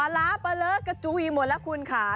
ปลาล้าปลาเลอะกระจุยหมดละคุณค่ะ